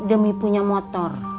demi punya motor